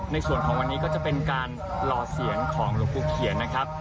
ในส่วนของวันนี้ก็จะเป็นการหล่อเสียงของหลวงปู่เขียนนะครับ